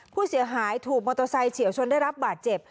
ผู้เสียหายถูกมอเตอร์ไซค์เฉียวชนได้รับบาดเจ็บ